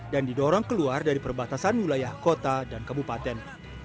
dan didorong keluar dari perbatasan wilayah kota dan kebupaten